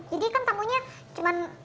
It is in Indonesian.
jadi kan tamunya cuman